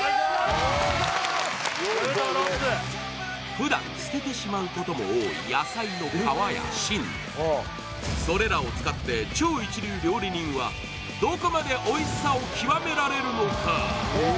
ふだん捨ててしまうことも多い野菜の皮や芯、それらを使って超一流料理人はどこまでおいしさを極められるのか。